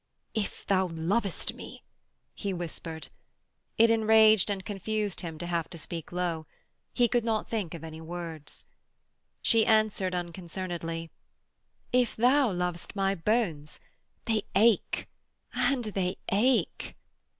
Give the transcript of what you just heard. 'If thou lovest me....' he whispered. It enraged and confused him to have to speak low. He could not think of any words. She answered unconcernedly: 'If thou lovest my bones ... they ache and they ache.'